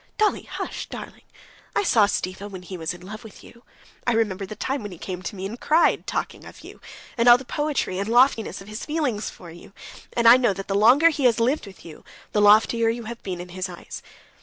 "Dolly, hush, darling. I saw Stiva when he was in love with you. I remember the time when he came to me and cried, talking of you, and all the poetry and loftiness of his feeling for you, and I know that the longer he has lived with you the loftier you have been in his eyes.